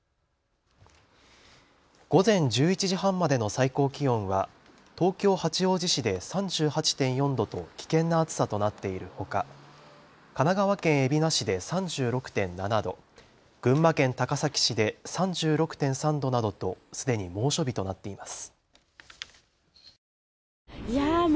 午前１１時半までの最高気温は東京八王子市で３８．４度と危険な暑さとなっているほか、神奈川県海老名市で３６．７度、群馬県高崎市で３６．３度などとすでに猛暑日となっています。